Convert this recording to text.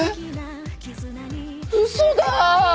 嘘だ！